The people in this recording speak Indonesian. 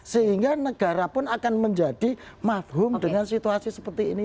sehingga negara pun akan menjadi mafhum dengan situasi seperti ini